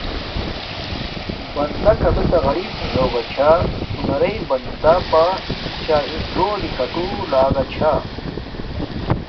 بندہ کابے تہ غریپ نی ہوگا چھا، ہنرݶ بندن پادچاھس گولی کھاٹو لگاہ چھاہ